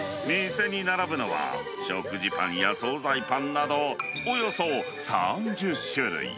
店に並ぶのは、食事パンや総菜パンなど、およそ３０種類。